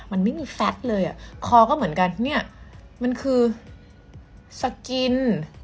มันไม่มีแฟทเลยอ่ะคอก็เหมือนกันเนี่ยมันคือสกิน